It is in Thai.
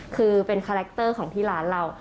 คือเป็นคาแรคเตอร์ของที่ร้านเรา